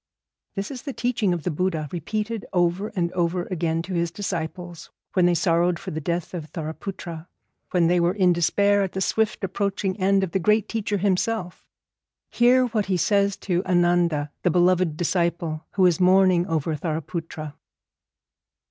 This is the teaching of the Buddha, repeated over and over again to his disciples when they sorrowed for the death of Thariputra, when they were in despair at the swift approaching end of the great teacher himself. Hear what he says to Ananda, the beloved disciple, who is mourning over Thariputra.